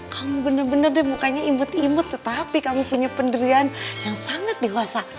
kamu bener bener deh mukanya imut imut tetapi kamu punya penderian yang sangat dewasa